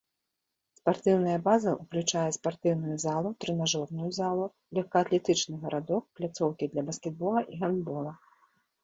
Спартыўная база ўключае спартыўную залу, трэнажорную залу, лёгкаатлетычны гарадок, пляцоўкі для баскетбола і гандбола.